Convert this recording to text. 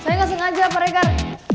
saya gak sengaja pak rekar